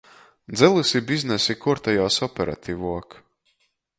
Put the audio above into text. Dzelys i biznesi kuortuojās operativuok.